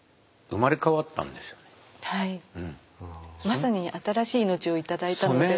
まさに新しい命を頂いたので。